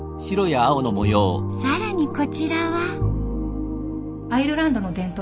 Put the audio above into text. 更にこちらは。